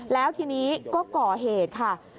แล้วทีนี้ก็ก่อเหตุค่ะ